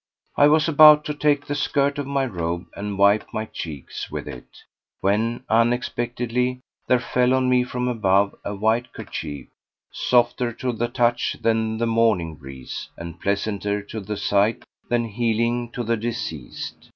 I was about to take the skirt of my robe and wipe my cheeks with it, when unexpectedly there fell on me from above a white kerchief, softer to the touch than the morning breeze and pleasanter to the sight than healing to the diseased.